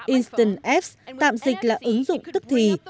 instant apps tạm dịch là ứng dụng tức thì